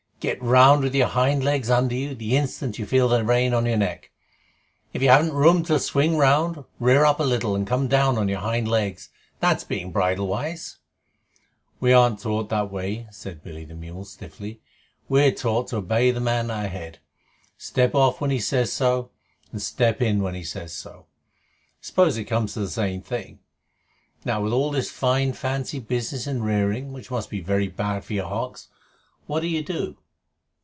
Get round with your hind legs under you the instant you feel the rein on your neck. If you haven't room to swing round, rear up a little and come round on your hind legs. That's being bridle wise." "We aren't taught that way," said Billy the mule stiffly. "We're taught to obey the man at our head: step off when he says so, and step in when he says so. I suppose it comes to the same thing. Now, with all this fine fancy business and rearing, which must be very bad for your hocks, what do you do?"